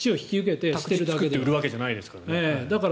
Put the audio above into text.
宅地を作って売るわけじゃないですからね。